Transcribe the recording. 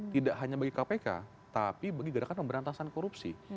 tidak hanya bagi kpk tapi bagi gerakan pemberantasan korupsi